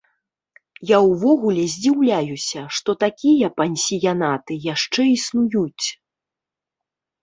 Я ўвогуле здзіўляюся, што такія пансіянаты яшчэ існуюць.